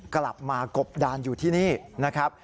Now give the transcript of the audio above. กลับมากบดานอยู่ที่นี่นะครับ